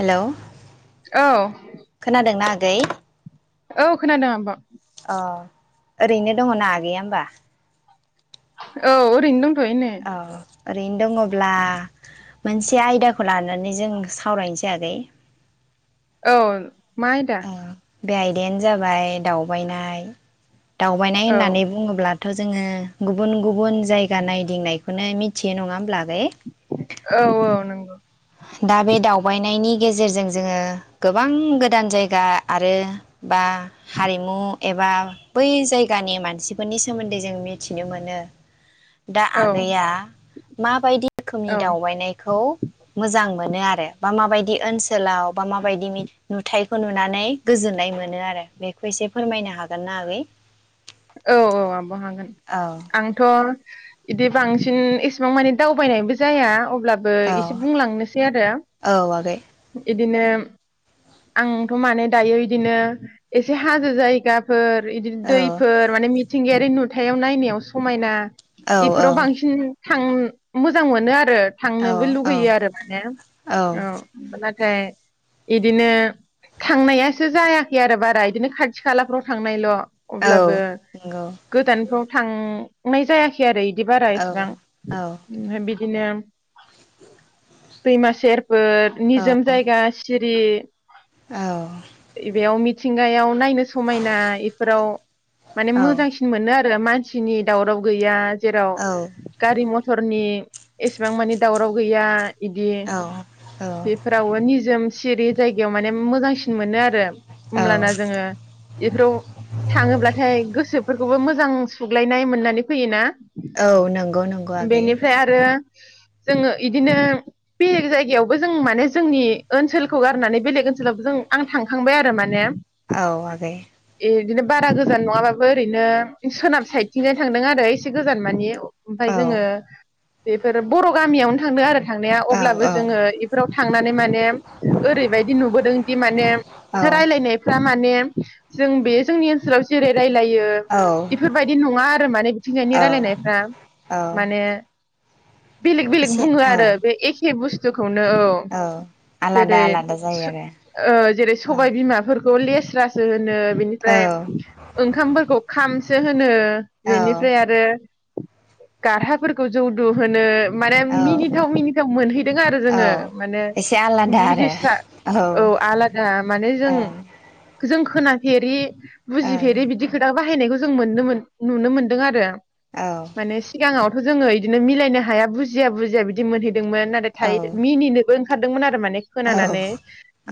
Hello औ खोनादोंना? गै [inaudible] औ खोनादों आब'। अ ओरैनो दङना आगैया होमबा? औ ओरैनो दंथ औ ओरैनो दङब्ला मोनसे आयदाखौ लानानै जों सा सावरायनोसै आगै औ मा आइदा? ओ बे आयदायानो जाबाय दावबायनाय दावबायनाय औ होननानै बुङोब्ला थ'जोङो गुबन-गुबुन जायगा नायदिंनायखौनो मिथ थियो नङा होमब्ला आगै औ-औ नंगौ दा बे दावबायनायनि गेजेरजों जोङो गोबां गोदान जायगा आरो बा हारिमु एबा बै जायगानि मानसिफोरनि सोमोन्दै जों मिथिनो मोनो दा औ आगैया माबायदि रोखोमनि औ दावबायनायखौ मोनो आरो बा माबायदि ओनस सोलाव बा माबायदि मिथ नुथाइ खौ नुनानै गोजोननाय मोनो आरो बेखौ एसे फोरमायनो हागोन ना आगै औ औ आब' हागोन औ आंथ' बिदि बांसिन एसेबां माने दावबायनायबो जाया ब्लाबो एसे औ बुंलांनोसै आरो औ आगै बिदिनो आंथ' माने दायो बिदिनो एसे हाजो जायगाफोर दि औ दै फोर माने मिथिंगायारि नुथायाव नायनायाव समायना औ बेफोराव बांसिन थां मोजां मोनो आरो थांनोबो औ लुगैयो आरो माने औ ओमफ्राय बिदिनो थांनायासो जायाखै आरो बारा बिदिनो खाथि खालाफ्राव थांनायल' औ अब्लाबो नंगौ गोदानफ्राव थां नाय जायाखै आरो बिदि बिदि बारा औ औ एसेबां बिदिनो दैमा सेर फोर निजोम जायगा सिरियै औ थिंगायाव नायनो समायना एफोराव माने मोजांसिन मोनो आरो मानसिनि दावराव गैया जेराव गारि म थरनि एसेबां मानि दावराव गैया इदि औ बेफोरावबो निजोम सिरि जायगायाव माने मोजांसिन मोनो आरो होमब्लाना जोङो एफोराव नाथाय गोसोफोरखौबो मोजां सुग्लायनाय मोननानै फैयोना औ नंगौ नंगौ आगै बेनिफ्राय आरो जोङो इदिनो बेलेग जायगायावबो जों माने जोंनि ओनसोलखौ गारनानै बेलेग ओनसोलावबो जों आं थांखांबाय आरो माने औ आगै इदिनो बारा गोजान नङाबाबो ओरैनो सोनाब साइडथिंजाय थांदों आरो एसे गोजान माने ओमफाय औ जोङो बेफोर बर' गामियावनो थांदों आरो थांनाया अब्लाबो जोङो औ एफोराव थांनानै माने ओरैबायदि नुबोदोंदि माने औ रायज्लायनायफ्रा माने जों बे जोंनि ओ नसोलाव जेरै रायलायो औ [unintelligible] एफोरबायदि नङा आरो माने बिथिंजायनि औ रायलायनायफ्रा औ माने बेलेग बेलेग एसे बुङो आरो औ बे एखे बुस् थुखौनो औ आलादा जेरै आलादा जायो औ जेरै सबाय आरो बिमाफोर खौ लेस्रासो हो नो बिनिफ्राय औ ओंखामफोरखौ खामसो होनो औ बेनिफ्राय आरो गाराफोरखौ जौदु होनो माने औ औ मिनिथाव मिनिथाव मोनहैदों आरो जोङो औ माने एसे आलादा बुजिस्रा औ आरो आलादा माने जों औ ओं जोंखौ खोनफेरि बुजिफेरो बिदि खोथा बाहायनायखौ जों मोन नुनो मोनदों आरो। ओं औ माने सिगांआव जोङो बिदिनो मिलायनो हाया बुजिया बुजिया बिदि मोनहै दोंमोन नाथाय मिनिनो ओंखारदोंमोन। औ औ खोनानानै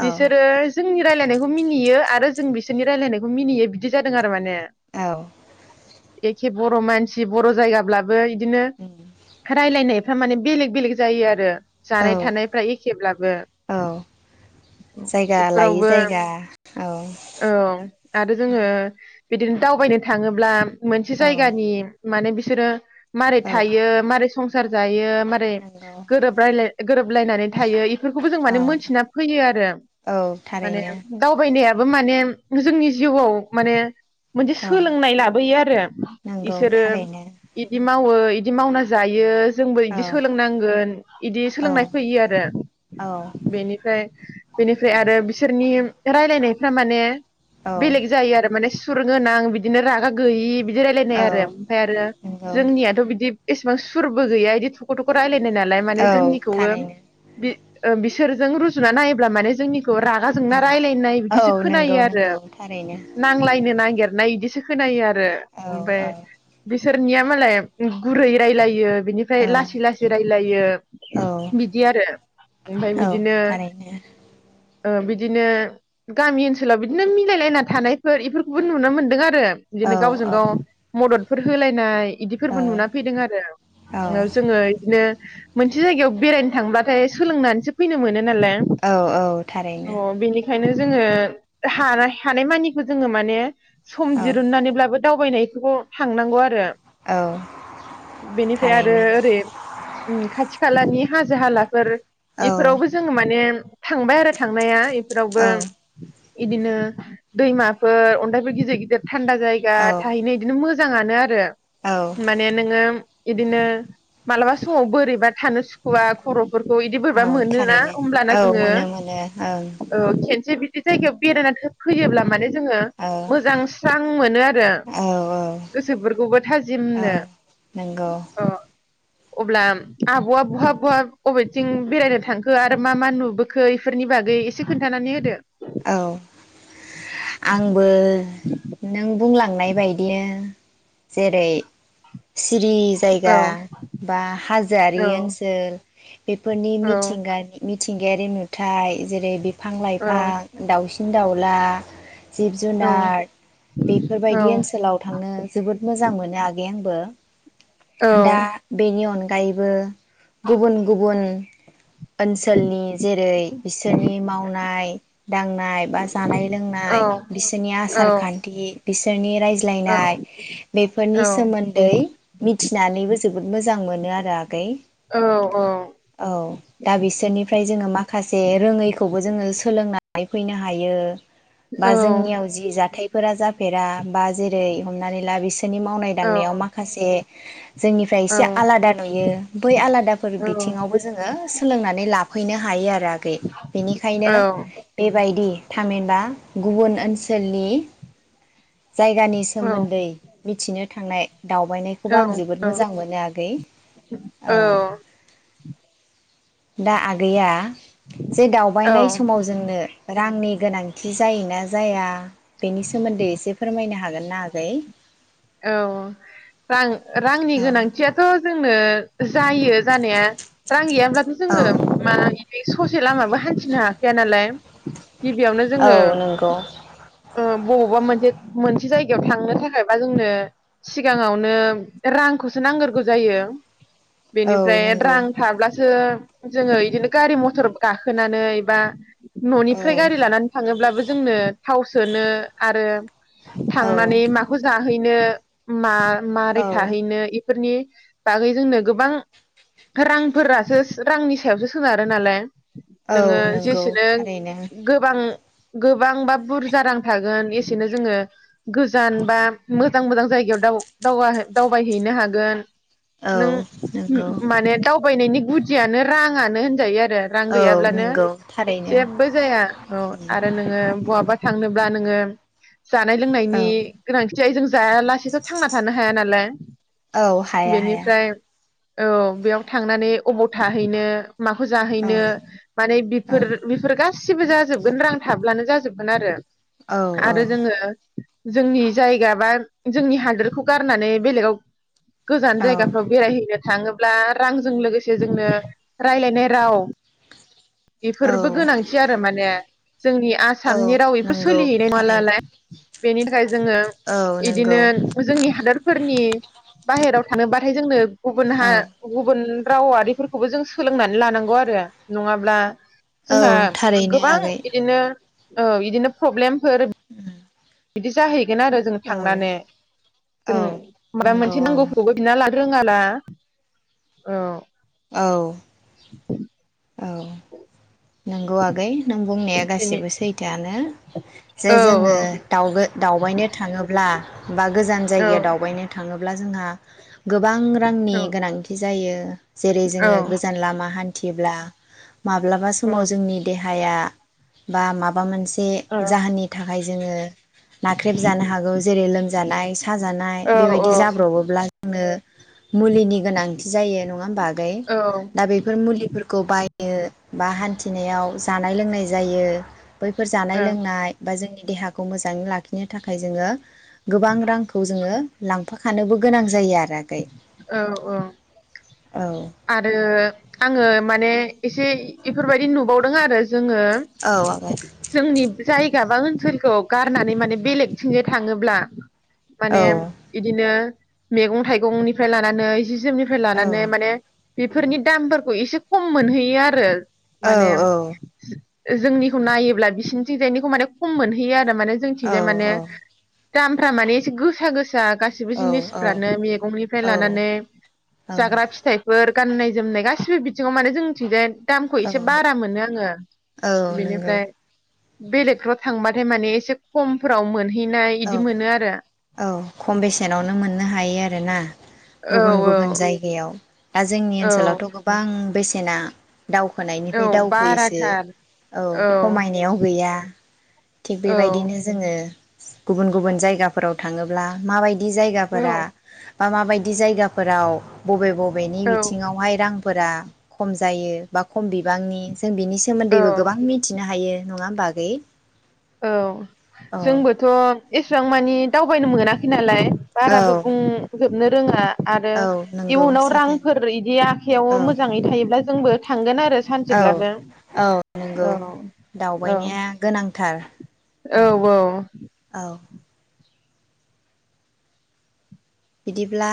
बिसोरो जोंनि रायजलायनायखौ मिनियो आरो जों बिसोरनि रायज्लायनायखौ मिनियो। बिदि जादों आरो माने। औ। एखे बर' मानसि बर' जायगाब्लाबो बिदिनो रायलायनाय बोला माने बेलेग बेलेग जायो आरो। औ जानाय थानायफ्रा एखेब्लाबो औ जायगा लायै बेफोरावबो जायगा औ औ आरो जोङो बिदिनो दावबायनो थाङोब्ला मोनसे औ जायगानि माने बिसोरो मारै औ थायो मारै संसार जायो। मारै नंगौ गोरोब रायलाय गोरोबलायनानै थायो। बेफोरखौबो जों औ माने मोनथिना फैयो आरो औ माने थारैनो दावबायनाया माने जोंनि जिउआव माने मोनसे औ सोलोंनाय लाबोयो आरो नंगौ बिसोरो थारैनो बिदि मावो। बिदि मावना जायो। जोंबो औ बिदि सोलोंनांगोन बिदि औ सोलोंनाय फैयो आरो औ बेनिफ्राय बेनिफ्राय आरो बिसोरनि रायलायनायफ्रा माने औ बेलेग जायो आरो माने सुर गोनां बिदिनो रागा गैयि। बिदि रायलायनाय औ आरो ओमफाय आरो नंगौ जोंनियाथ' बिदि एसेबां सुरबो गैया बिदि थख' थख' रायलायनाय नालाय माने औ जोंनिखौबो थारैनो बि ओ बिसोरजों रुजुना नायोब्ला माने जोंनि खौ रागा जोंना औ रायलायनाय बिदिसो औ खोनायो नंगौ आरो। नंगौ थारैनो नांलायनो नांगेर नाय इदिसो खोनायो आरो औ रो ओमफाय औ सोरनिया मालाय गुरै रायलायो। बिनिफ्राय औ लासै लासै रायलायो औ बिदि आरो ओमफाय औ बिदिनो थारैनो ओ बिदिनो गामि ओनसोलाव बिदिनो मिलायलायना थानायफोर बेफोरखौबो नुनो मोन्दों आरो। औ बिदिनो गावजों औ गाव मदद फोर होलायनाय बिदि फोरबो औ नुना फैदों औ आरो जोङो बिदिनो मोनसे जायगायाव बेरायनो थांबाथाय सोलोंनानैसो फैनो मोनो। नालाय औ औ थारैनो अ बेनिखायनो जोङो हानाय थानाय मानिखौ जोङो माने सम औ दिरुननानैब्लाबो दावबायनायखौ थांनांगौ आरो औ बेनिफ्राय आरो थारैनो ओरै उम खाथि खालानि हाजो हालाफोर औ बेफोरावबो जोङो माने थांबाय आरो थांनाया एफ फोरावबो औ औ इदिनो दैमाफोर अन्थाइबो गिदिर गिदिर थान्दा जायगा थाहैनो इदिनो मो मोजाङानो आरो। औ माने नोङो इदिनो मालाबा समाव बोरैबा थानो सुखुवा खर' फोरखौ इदि औ बोरैबा मोनोना थारैनो ओमब्लाना औ जोङो मोनो मोनो ओं ओ खेन जे बिदि जायगायाव बेरायनानै होयोब्ला माने जोङो औ मोजां स्रां मोनो आरो औ औ गोसोफोरखौबो औ थाजिमनो नंगौ अ। अब्ला आब'आ बहा बहा बबेथिं बेरायनो थांखो आरो मा मा नुबोखो इफोरनि बागै एसे खोन्थानानै होदो। औ आंबो नों बुंलां नाय बायदिनो जेरै सि सिरि औ जायगा बा हाजोआरि औ ओनसोल बेफोरनि औ मिथिंगानि मि मिथिंगायारि नुथाय जेरै बि बिफां लाइफां औ दाउसिन दाउला जिब जुनार औ बेफोरबायदि ओनसोलाव थांनो जोबोद मोजां मोनो आगै आं बो दा रां बेनि अन गायैबो गुबुन गुबुन ओनसोलनि जेरै बिसोरनि मावनाय दांनाय बा जानाय लोंनाय बिसोरनि आसार खान्थि बिसोरनि रायज्लायनाय बेफोरनि सोमोन्दै मिथिनानैबो जोबोद मोजां मोनो आरो आगै औ दा बिसोरनि फ्राय जोङो माखासे रोङैखौबो जोङो सोलोंना फैनो हायो बा जोंनियाव जि जाथाय फोरा जाफेरा बा जेरै हमनानै ला बिस सोरनि मावनाय दांनायाव माखासे जोंनिफ्राय एसे आलादा नुयो बै आलादाफोर बिथिङावबो जोङो सो सोलोंनानै लाफैनो हायो आरो बिनिखायनो बायदि थामहिनबा गुबुन ओनसोलनि जायगानि सोमोन्दै मिथिनो थांनाय दावबायनायखौबो आं जोबोद मोजां मोनो आगै औ । दा आगैया जे दावबायनाय समाव जोंनो रांनि गोनांथि जायोना जाया बेनि सोमोन्दै एसे फोरमायनो हागोन हागोन ना आगै औ रां। रांनि औ गोनांथियाथ जोंनो जायो जानाया रां गैयाबा थ जोङो औ मानि बे ससे लामाबो हान्थिनो हाखाया नालाय गिबियावनो जोङो औ नंगौ ओ बबावबा मोनसे मोनसे जायगायाव थांनो थाखाय बा जोंनो सिगाङावनो रांखौसो नांगोरगौ जायो औ बेनिफ्राय नंगौ रां थाब्लासो जोङो बिदिनो गारि मथर गाखोनानैबा औ ननिफ्राय गारि लानानै थाङोब्लाबो जोंनो थाव सोनो आरो थांनानै औ माखौ माहैनो मा माबारै औ थाहैनो फोरनि बागै जोंनो गोबां रांफोरासो रांनि सायावसो सोनारो नालाय। नोङो औ नंगौ जेसेनो थारैनो गोबां गोबां बा बुरजा रां थागोन एसेनो जोङो गोजान बा मोजां मोजां जायगायाव दावबायहैनो हागोन औ नों नंगौ माने दाउ थाबायनायनि गुदियानो राङानो होनजायो आरो रां औ गैयाब्लानो नंगौ थारैनो जेबो जाया औ आरो नोङो बहाबा थांनो बा नोङो। जानाय लोंनायनि औ गोनांथि। जाय जों जायालासेथ' थांना थानो हाया नालाय। औ हाया हाया। बेनिफ्राय औ बेयाव थांनानै अबाव थाहैनो माखौ जाहैनो औ माने औ बेफोर बेफोर गा सिबो जाजोबगोन रां थाब्लानो जाजोबगोन आरो। औ आरो औ जोङो जोंनि जायगा बा जोंनि हादोरखौ गारनानै बेलेगाव गोजान औ जायगाफ्राव बेरायहैनो थाङोब्ला रांजों लोगोसे जोंनो रायज्लायनाय राव। बेफोरबो औ गोनांथि आरो माने। जोंनि औ आसामनि राव बेफोर नंगौ सोलिहैनाय थारैनो नंलाना। बेनि थाखाय जोङो औ बिदिनो नंगौ जोंनि हादरफोरनि बाहेराव थांनोबाथाय जोंनो गुबुन हा औ गुबुन रावारिफोरखौबो जों सोलोंनानै लानांगौ आरो नङाब्ला जोंहा औ थारैनो गोबां आगै बिदिनो औ बिदिनो प्रब्लेम फोर बिदि जाहैगोन आरो । जों औ थांनानै औ जों माबा नंगौ मोनसे औ नांगौखौबो बिना लानो रोङा ना औ। औ । औ । नांगौ आगै नों बुंनाया बेनि गासिबो सैथोआनो औ जे औ जोङो दाउ दावबायनो थाङोब्ला बा गोजान जायगायाव दावबायनो थाङो अब्ला जोंहा गोबां रांनि गोनांथि जायो। जेरै जोङो गोजान लामा हान थिब्ला माब्लाबास समाव जोंनि देहा हाया बा माबा मोनसे औ ए जाहोननि थाख हाय जोङो। नाख्रेबजानो हागौ जेरै लोमजानाय साजानाय बेबायदि जाब्रबोब्ला जोंनो मुलिनि गोनांथि जायो नङा होमबा आगै दा बेफोर मुलिफोरखौ बाय यो बा हान थिनायाव जानाय लोंनाय जायो। बैफोर जानाय औ लोंनाय बा जोंनि देहाखौ मोजाङै लाखिनो थाखाय जोङो गोबां रांखौ जोङो लांफाखानोबो गोनां जायो आरो औ औ। आगै औ आरो आङो माने एसे इफोरबायदि नुबावदों आरो जोङो औ आगै जोंनि जाय गाबा ओनसोलखौ गारनानै माने बेलेगथिंजाय थाङोब्ला माने औ इदिनो मैगं थाइगंनिफ्राय लानानै जि जोमनिफ्राय औ लानानै माने बेफोरनि दामफोरखौ एसे खम मोनहैयो आरो। माने औ जोंनिखौ नायोब्ला बिसिनिथिंजायनिखौ माने खम मोनहैयो आ माने औ जोंथिंजाय माने दामफ्रा माने एसे गोसा गोस गोसा गासिबो औ जिनिसफ्रानो मैगंनिफ्राय लानानै औ जाग्रा फिथाइ गाननाय जोमनाय गासिबो बिथिङाव माने जोंनिथिंजाय दामखौ औ एसे बारा मोनो आङो औ नंगौ बेनिफ्राय बेलेगफ्राव थांबाथाय माने एसे कमफोराव मोन औ औ खम बेसेनावनो मोननो हायो आरो रोना। गुबुन औ गुबुन जायगायाव दा जोंनि औ ओनसोलावथ' गोबां बेसे सेना औ दावखोनायनिफ्राय दावखोयोसो बाराथार औ खमायनायाव गैया थिग औ बेबायदिनो जोङो गुबुन गुबुन जायगाफोराव थाङोब्ला माब बायद दि जायगाफोरा औ मा माबायदि जायगाफोराव बबे बबे बेनि औ बिथिङावहाय रांफोरा खम जायो बा खम बिबांनि जों बिनि सोमोन्दैबो औ गोबां मिथिनो हायो। नङा होमबा आगै? औ औ जोंबोथ' एसेबां मानि दावबायनो मोनाखै नालाय। औ बारबो बुंजोब नो रोङा। आरो औ नंगौ इयुनाव सैथो रांफोर बिदि आखयाव औ मोजाङै थायोब्ला जोंबो थांगोन आ औ औ नंगौ औ दावबायनाया गोनां थार। औ औ। बिदिब्ला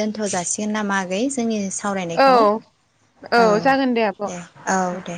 दोनथ' जासिगोन नामा? आगै जोंनि औ सावरायनायखौ औ दे औ दे।